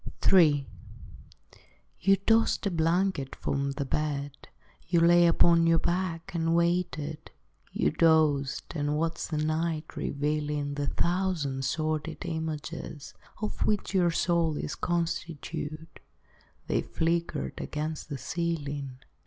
III You tossed a blanket from the bed, You lay upon your back, and waited; You dozed, and watched the night revealing The thousand sordid images Of which your soul was constituted; They flickered against the ceiling.